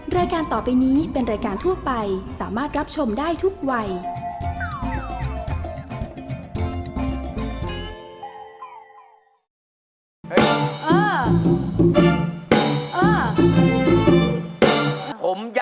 รายการต่อไปนี้เป็นรายการทั่วไปสามารถรับชมได้ทุกวัย